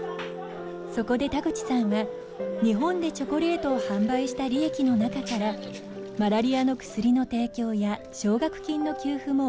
そこで田口さんは日本でチョコレートを販売した利益の中からマラリアの薬の提供や奨学金の給付も行っています。